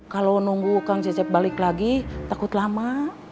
kalau nunggu kang cecep balik lagi takut lama